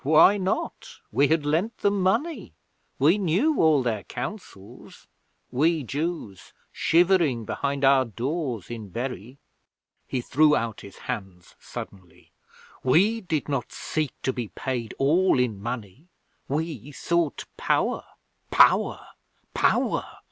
Why not? We had lent them money. We knew all their counsels we Jews shivering behind our doors in Bury.' He threw out his hands suddenly. 'We did not seek to be paid all in money. We sought Power Power Power!